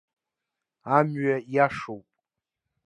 Амҩа иашоуп!